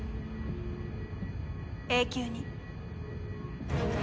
永久に。